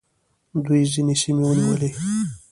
دوی ځینې سیمې ونیولې